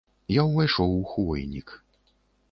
Я ўвайшоў у хвойнік.